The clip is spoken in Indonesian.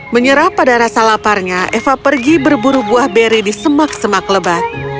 menyerah pada rasa laparnya eva pergi berburu buah beri di semak semak lebat